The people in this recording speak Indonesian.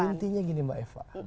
intinya gini mbak eva